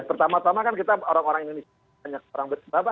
pertama tama kan kita orang orang indonesia